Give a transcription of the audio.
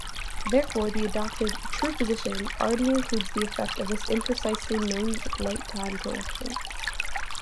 Therefore, the adopted "true position" already includes the effect of this imprecisely-known light-time correction.